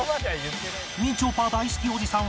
みちょぱ大好きおじさん